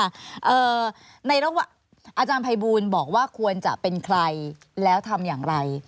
อาจารย์ภัยบูลบอกว่าควรจะเป็นใครแล้วทำอย่างไร